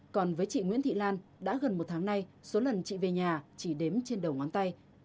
còn với chị nguyễn thị lan đã gần một tháng nay số lần chị về nhà chỉ đếm trên đầu ngón tay